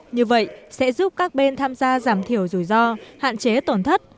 như vậy sẽ giúp các bên tham gia giảm thiểu rủi ro hạn chế tổn thất